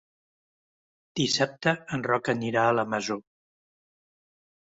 Dissabte en Roc anirà a la Masó.